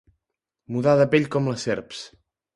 Mudar de pell com les serps.